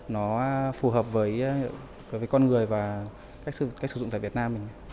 nó phù hợp với con người và cách sử dụng tại việt nam mình